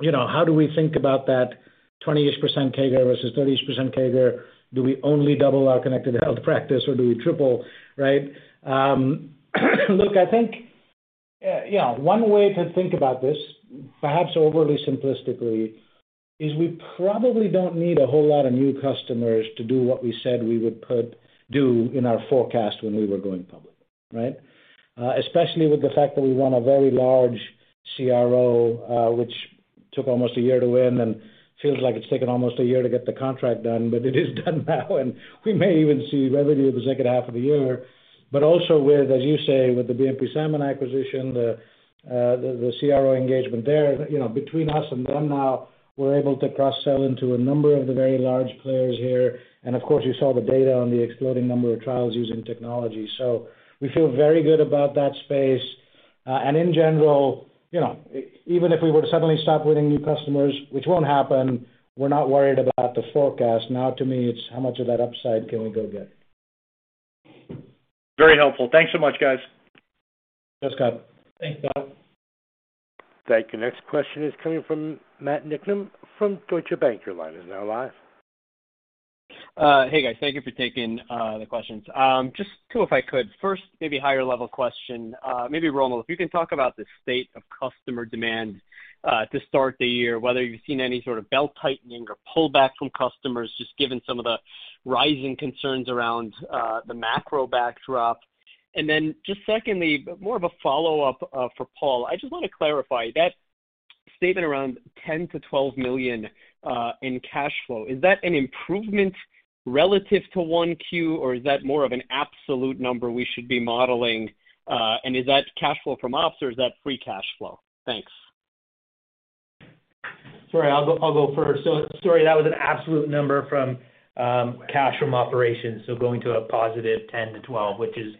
you know, how do we think about that 20-ish% CAGR versus 30-ish% CAGR? Do we only double our connected health practice or do we triple, right? Look, I think, yeah, one way to think about this, perhaps overly simplistically, is we probably don't need a whole lot of new customers to do what we said we would do in our forecast when we were going public, right? Especially with the fact that we won a very large CRO, which took almost a year to win and feels like it's taken almost a year to get the contract done, but it is done now and we may even see revenue the second half of the year. But also with, as you say, with the BMP-Simon acquisition, the CRO engagement there, you know, between us and them now, we're able to cross-sell into a number of the very large players here. Of course, you saw the data on the exploding number of trials using technology. We feel very good about that space. In general, you know, even if we were to suddenly stop winning new customers, which won't happen, we're not worried about the forecast. Now, to me, it's how much of that upside can we go get. Very helpful. Thanks so much, guys. Thanks, Scott. Thanks, Scott. Thank you. Next question is coming from Matt Niknam from Deutsche Bank. Your line is now live. Hey, guys. Thank you for taking the questions. Just two, if I could. First, maybe higher level question. Maybe, Romil, if you can talk about the state of customer demand to start the year, whether you've seen any sort of belt tightening or pullback from customers, just given some of the rising concerns around the macro backdrop. Just secondly, more of a follow-up for Paul. I just want to clarify that statement around $10 million-$12 million in cash flow. Is that an improvement relative to 1Q, or is that more of an absolute number we should be modeling? Is that cash flow from ops or is that free cash flow? Thanks. Sorry, I'll go first. Sorry, that was an absolute number from cash from operations. Going to a positive $10 million-$12million, which is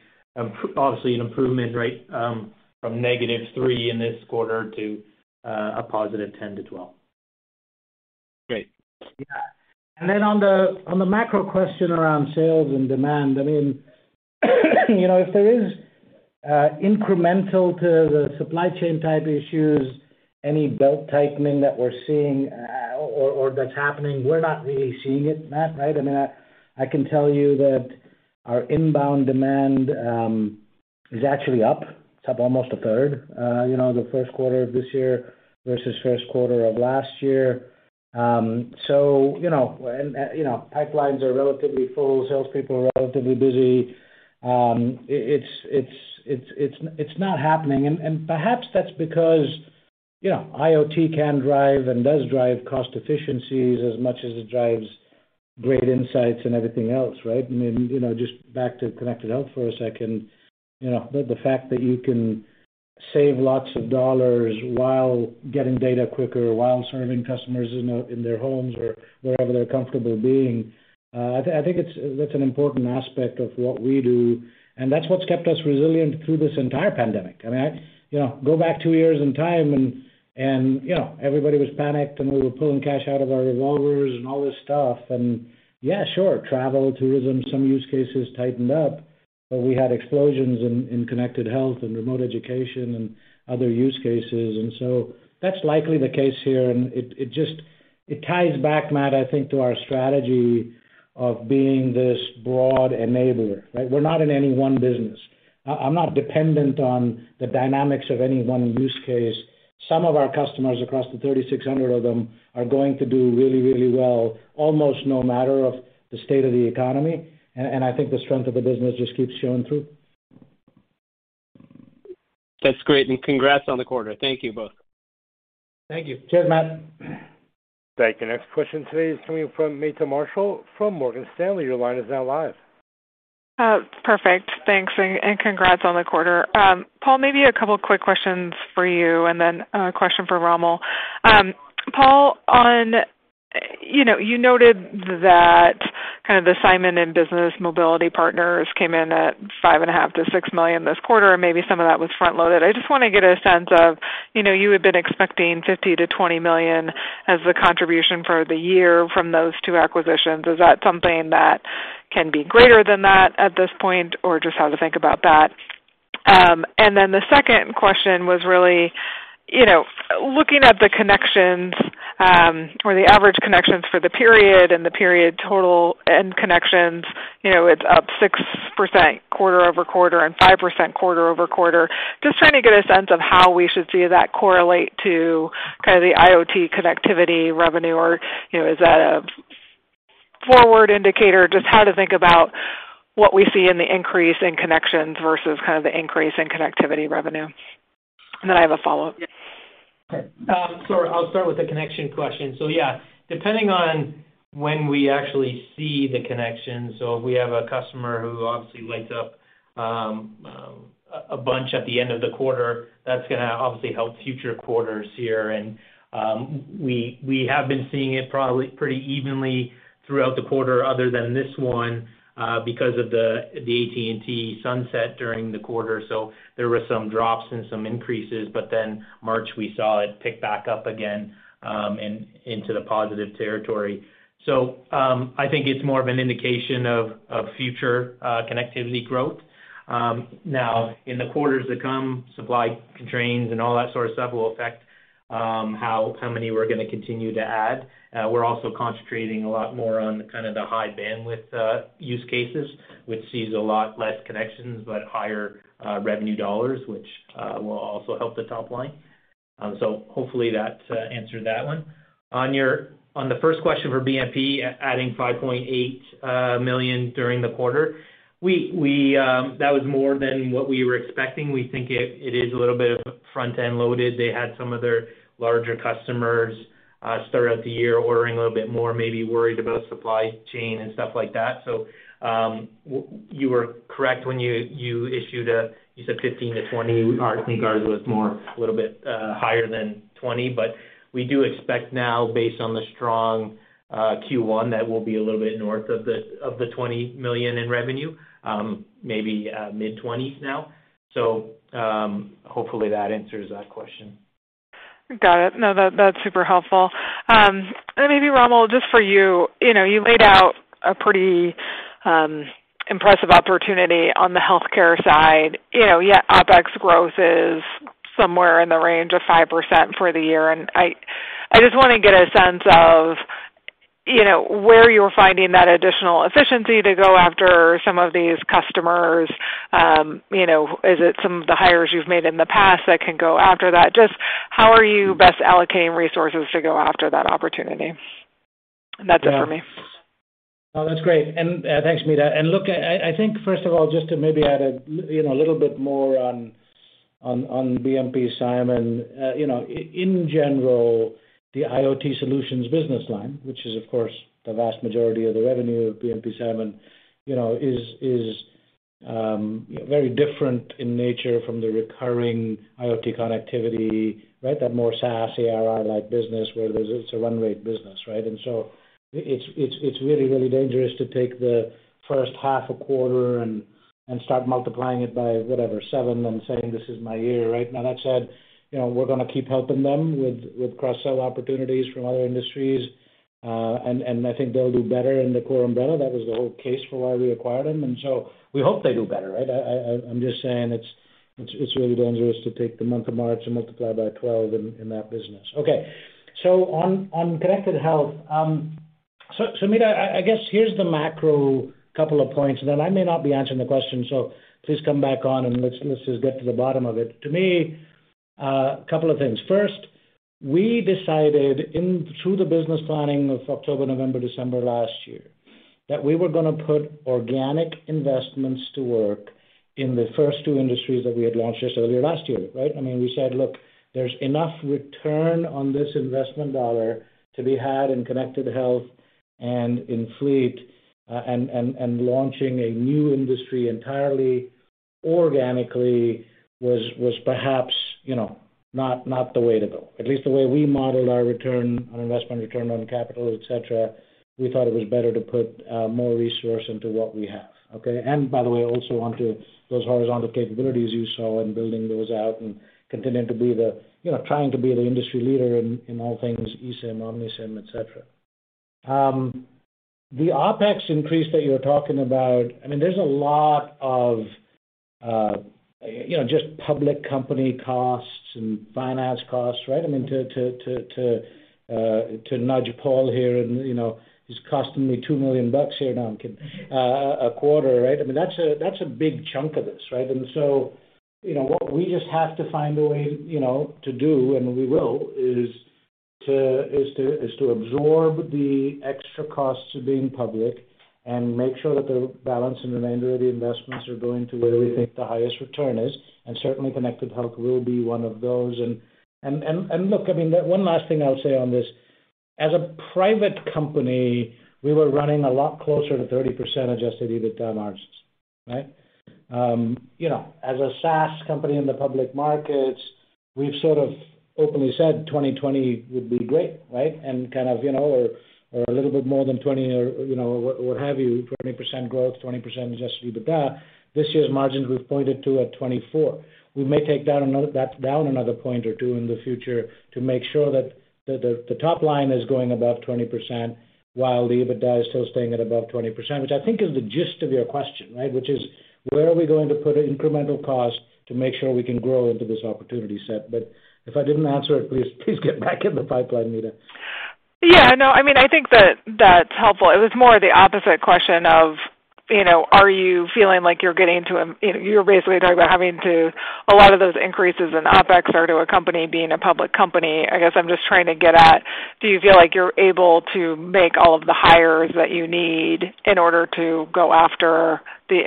obviously an improvement, right? From negative $3 in this quarter to a positive $10million-$12million. Great. Yeah. Then on the macro question around sales and demand, I mean, you know, if there is incremental to the supply chain type issues, any belt-tightening that we're seeing, or that's happening, we're not really seeing it, Matt, right? I mean, I can tell you that our inbound demand is actually up. It's up almost a third, you know, the first quarter of this year versus first quarter of last year. You know, pipelines are relatively full, salespeople are relatively busy. It's not happening. Perhaps that's because, you know, IoT can drive and does drive cost efficiencies as much as it drives great insights and everything else, right? I mean, you know, just back to connected health for a second, you know, the fact that you can save lots of dollars while getting data quicker, while serving customers in their homes or wherever they're comfortable being, I think that's an important aspect of what we do, and that's what's kept us resilient through this entire pandemic. I mean, you know, go back two years in time and you know, everybody was panicked, and we were pulling cash out of our revolvers and all this stuff. Yeah, sure, travel, tourism, some use cases tightened up, but we had explosions in connected health and remote education and other use cases. That's likely the case here. It just ties back, Matt, I think, to our strategy of being this broad enabler, right? We're not in any one business. I'm not dependent on the dynamics of any one use case. Some of our customers across the 3,600 of them are going to do really, really well, almost no matter of the state of the economy. I think the strength of the business just keeps showing through. That's great, and congrats on the quarter. Thank you both. Thank you. Cheers, Matt. Thank you. Next question today is coming from Meta Marshall from Morgan Stanley. Your line is now live. Perfect. Thanks. Congrats on the quarter. Paul, maybe a couple quick questions for you and then a question for Romil. Paul, on, you know, you noted that kind of the SIMON and Business Mobility Partners came in at $5.5 million-$6 million this quarter, and maybe some of that was front-loaded. I just want to get a sense of, you know, you had been expecting $50 million-$20 million as the contribution for the year from those two acquisitions. Is that something that can be greater than that at this point, or just how to think about that? Then the second question was really, you know, looking at the connections, or the average connections for the period and the period total end connections, you know, it's up 6% quarter-over-quarter and 5% quarter-over-quarter. Just trying to get a sense of how we should see that correlate to kind of the IoT connectivity revenue or, you know, is that a forward indicator? Just how to think about what we see in the increase in connections versus kind of the increase in connectivity revenue. I have a follow-up. Okay. I'll start with the connection question. Yeah, depending on when we actually see the connection, if we have a customer who obviously lights up a bunch at the end of the quarter, that's gonna obviously help future quarters here. We have been seeing it probably pretty evenly throughout the quarter other than this one because of the AT&T sunset during the quarter. There were some drops and some increases, but then March, we saw it pick back up again into the positive territory. I think it's more of an indication of future connectivity growth. Now, in the quarters that come, supply constraints and all that sort of stuff will affect how many we're gonna continue to add. We're also concentrating a lot more on kind of the high bandwidth use cases, which sees a lot less connections, but higher revenue dollars, which will also help the top line. Hopefully that answered that one. On your first question for BMP adding $5.8 million during the quarter, we that was more than what we were expecting. We think it is a little bit front-end loaded. They had some of their larger customers throughout the year ordering a little bit more, maybe worried about supply chain and stuff like that. You were correct when you issued, you said $15-$20 million. I think ours was more, a little bit higher than $20 million. We do expect now based on the strong Q1 that we'll be a little bit north of the $20 million in revenue, maybe mid-20s now. Hopefully that answers that question. Got it. No, that's super helpful. Maybe Romil, just for you know, you laid out a pretty impressive opportunity on the healthcare side. You know, yet OpEx growth is somewhere in the range of 5% for the year. I just wanna get a sense of, you know, where you're finding that additional efficiency to go after some of these customers. You know, is it some of the hires you've made in the past that can go after that? Just how are you best allocating resources to go after that opportunity? That's it for me. Oh, that's great. Thanks, Meta. Look, I think, first of all, just to maybe add a little bit more on BMP-Simon. In general, the IoT solutions business line, which is, of course, the vast majority of the revenue of BMP-Simon, is very different in nature from the recurring IoT connectivity, right? That more SaaS ARR-like business where it's a run rate business, right? It's really dangerous to take the first half a quarter and start multiplying it by whatever, seven, and saying, "This is my year," right? Now, that said, we're gonna keep helping them with cross-sell opportunities from other industries. I think they'll do better in the core umbrella. That was the whole case for why we acquired them. We hope they do better, right? I'm just saying it's really dangerous to take the month of March and multiply by twelve in that business. Okay. On connected health, so Meta, I guess here's the macro couple of points. I may not be answering the question, so please come back on, and let's just get to the bottom of it. To me, a couple of things. First, we decided through the business planning of October, November, December last year that we were gonna put organic investments to work in the first two industries that we had launched just earlier last year, right? I mean, we said, "Look, there's enough return on this investment dollar to be had in connected health and in fleet," and launching a new industry entirely organically was perhaps, you know, not the way to go. At least the way we modeled our return on investment, return on capital, et cetera, we thought it was better to put more resource into what we have, okay? By the way, also onto those horizontal capabilities you saw in building those out and continuing to be the, you know, trying to be the industry leader in all things eSIM, OmniSIM, et cetera. The OpEx increase that you're talking about, I mean, there's a lot of, you know, just public company costs and finance costs, right? I mean, to nudge Paul here and, you know, he's costing me $2 million here. No, I'm kidding. A quarter, right? I mean, that's a big chunk of this, right? You know, what we just have to find a way, you know, to do, and we will, is to absorb the extra costs of being public and make sure that the balance and the remainder of the investments are going to where we think the highest return is. Certainly Connected Health will be one of those. Look, I mean, one last thing I'll say on this. As a private company, we were running a lot closer to 30% Adjusted EBITDA margins, right? You know, as a SaaS company in the public markets, we've sort of openly said 2020 would be great, right? And kind of, you know, or a little bit more than 20 or, you know, what have you, 20% growth, 20% Adjusted EBITDA. This year's margins, we've pointed to at 24%. We may take down another point or two in the future to make sure that the top line is going above 20% while the EBITDA is still staying at above 20%, which I think is the gist of your question, right? Which is where are we going to put an incremental cost to make sure we can grow into this opportunity set? But if I didn't answer it, please get back in the pipeline, Meta. Yeah, no. I mean, I think that that's helpful. It was more the opposite question of, you know, are you feeling like you're getting to, you know, you're basically talking about having a lot of those increases in OpEx are due to the company being a public company. I guess I'm just trying to get at, do you feel like you're able to make all of the hires that you need in order to go after the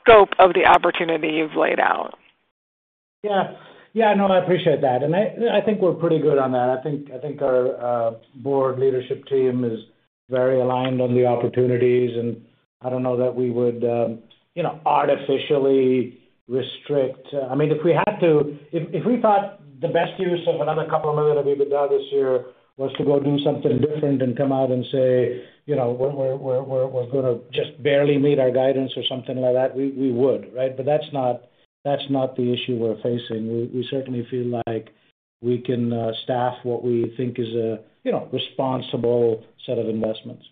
scope of the opportunity you've laid out? Yeah. Yeah, no, I appreciate that. I think we're pretty good on that. I think our board leadership team is very aligned on the opportunities, and I don't know that we would, you know, artificially restrict. I mean, if we had to, we thought the best use of another $2 million of EBITDA this year was to go do something different and come out and say, you know, we're gonna just barely meet our guidance or something like that, we would, right? But that's not the issue we're facing. We certainly feel like we can staff what we think is a, you know, responsible set of investments.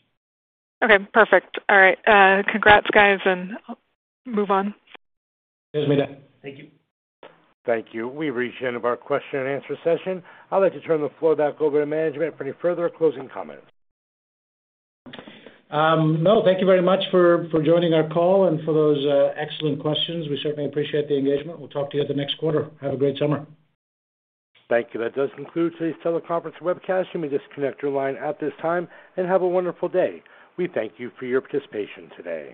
Okay, perfect. All right. Congrats guys, and move on. Thanks, Meta. Thank you. Thank you. We've reached the end of our question and answer session. I'd like to turn the floor back over to management for any further closing comments. No, thank you very much for joining our call and for those excellent questions. We certainly appreciate the engagement. We'll talk to you the next quarter. Have a great summer. Thank you. That does conclude today's teleconference webcast. You may disconnect your line at this time, and have a wonderful day. We thank you for your participation today.